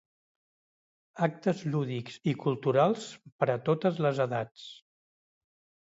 Actes lúdics i culturals per a totes les edats.